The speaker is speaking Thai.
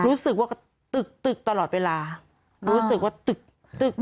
รู้สึกว่าตึกตึกตลอดเวลารู้สึกว่าตึกตึก